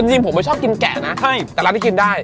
จริงผมไม่ชอบกินแกะนะใช่แต่ร้านที่กินได้